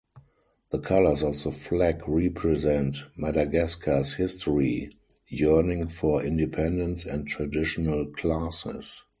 The colors of the flag represent Madagascar's history, yearning for independence, and traditional classes.